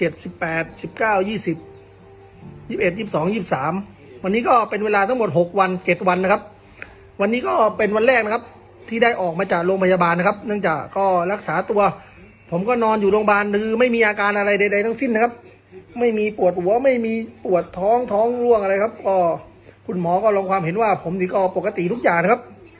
วันนี้ก็เป็นเวลาทั้งหมดหกวันเจ็ดวันนะครับวันนี้ก็เป็นวันแรกนะครับที่ได้ออกมาจากโรงพยาบาลนะครับเนื่องจากก็รักษาตัวผมก็นอนอยู่โรงพยาบาลคือไม่มีอาการอะไรใดทั้งสิ้นนะครับไม่มีปวดหัวไม่มีปวดท้องท้องร่วงอะไรครับก็คุณหมอก็ลงความเห็นว่าผมนี่ก็ปกติทุกอย่างนะครับ